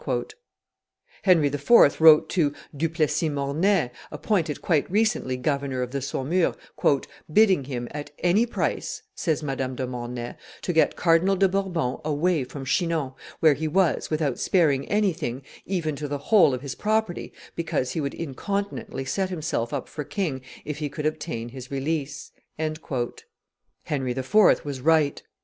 Henry IV. wrote to Du Plessis Mornay, appointed quite recently governor of Saumur, "bidding him, at any price," says Madame de Mornay, "to get Cardinal de Bourbon away from Chinon, where he was, without sparing anything, even to the whole of his property, because he would incontinently set himself up for king if he could obtain his release." Henry IV. was right.